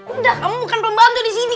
udah kamu bukan pembantu disini